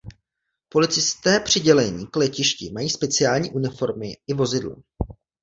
Policisté přidělení k letišti mají speciální uniformy i vozidla.